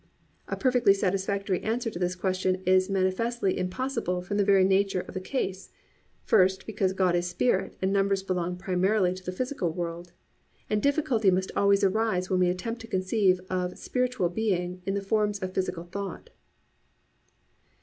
A perfectly satisfactory answer to this question is manifestly impossible from the very nature of the case—first, because God is Spirit and numbers belong primarily to the physical world, and difficulty must always arise when we attempt to conceive of spiritual being in the forms of physical thought.